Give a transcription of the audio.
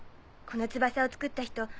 この翼を作った人